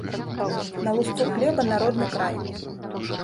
На лусту хлеба, на родны край.